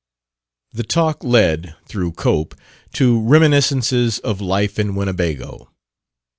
The talk led through Cope to reminiscences of life in Winnebago.